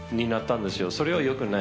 それは良くない。